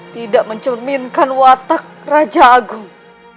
tidak mencerminkan watak raja agung